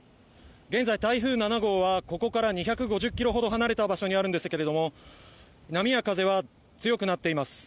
現在、台風７号はここから２５０ｋｍほど離れた場所にあるんですが波や風は強くなっています。